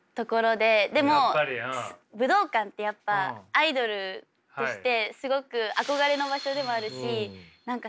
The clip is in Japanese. でも武道館ってやっぱアイドルとしてすごく憧れの場所でもあるし何か